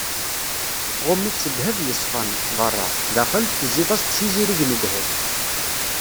Ɣumm-it s ddheb yeṣfan, beṛṛa, daxel tezziḍ-as-d s izirig n ddheb.